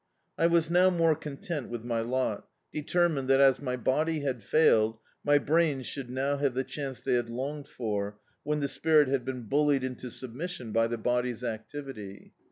I was now more content with my lot, determined that as my body had failed, my brains should now have the chance they had longed for, when the spirit had been bullied into submission by the body's ac tivity.